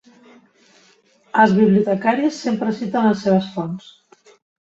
Els bibliotecaris sempre citen les seves fonts.